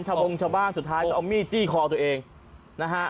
บงชาวบ้านสุดท้ายก็เอามีดจี้คอตัวเองนะฮะ